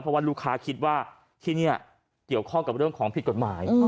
เพราะว่าลูกค้าคิดว่าที่นี่เกี่ยวข้องกับเรื่องของผิดกฎหมาย